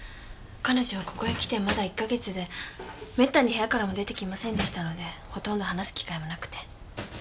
彼女はここへ来てまだ１か月でめったに部屋からも出てきませんでしたのでほとんど話す機会もなくて。